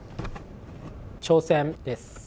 挑戦です。